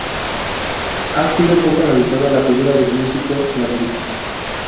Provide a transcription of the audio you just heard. Ha sido poco analizada la figura del músico en la película.